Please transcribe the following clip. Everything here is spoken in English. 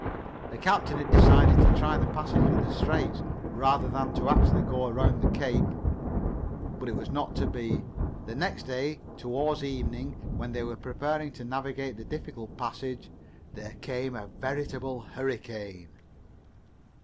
The captain had decided to try the passage of the Straits rather than to actually go around Cape Horn. But it was not to be. The next day, toward evening, when they were preparing to navigate the difficult passage, there came a veritable hurricane.